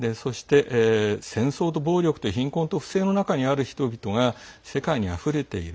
そして、戦争と暴力と不正の中にある人々が世界にあふれている。